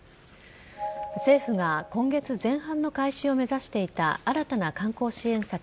政府が今月前半の開始を目指していた、新たな観光支援策